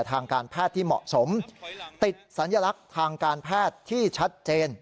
ทางการแพทย์ที่เหมาะสมติดสัญลักษณ์ทางการแพทย์ที่ชัดเจน